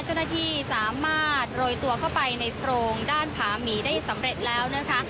เจ้าหน้าที่สามารถโรยตัวเข้าไปในโพรงด้านผาหมีได้สำเร็จแล้วนะคะ